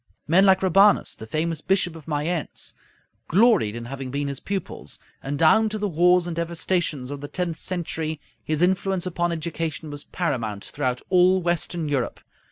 Men like Rabanus, the famous Bishop of Mayence, gloried in having been his pupils, and down to the wars and devastations of the tenth century his influence upon education was paramount throughout all Western Europe.